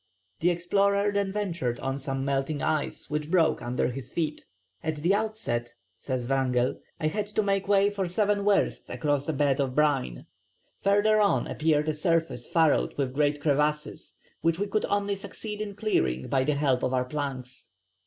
The explorer then ventured on some melting ice which broke under his feet. [Illustration: "Two small sledges were selected."] "At the outset," says Wrangell, "I had to make way for seven wersts across a bed of brine; further on appeared a surface furrowed with great crevasses, which we could only succeed in clearing by the help of our planks.